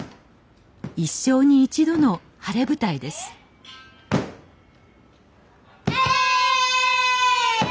一生に一度の晴れ舞台ですえいや！